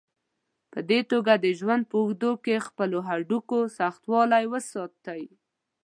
په دې توګه د ژوند په اوږدو کې خپلو هډوکو سختوالی وساتئ.